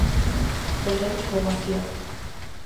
Perdemos poboación.